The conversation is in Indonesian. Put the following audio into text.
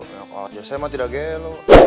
ya saya mah tidak gelo